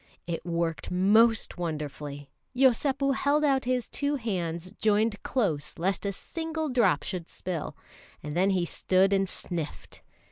It worked most wonderfully. Yosépu held out his two hands joined close lest a single drop should spill, and then he stood and sniffed.